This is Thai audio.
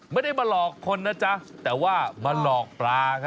ไม่ได้มาหลอกคนนะจ๊ะแต่ว่ามาหลอกปลาครับ